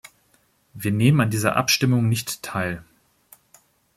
Wir nehmen an dieser Abstimmung nicht teil.